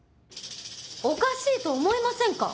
おかしいと思いませんか？